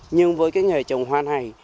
nhưng với nghề trồng hoa này